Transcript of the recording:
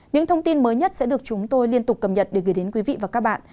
những thông tin mới nhất sẽ được chúng tôi liên tục cập nhật để gửi đến quý vị và các bạn